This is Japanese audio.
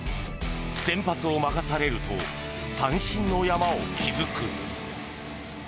先発を任されると三振の山を築く。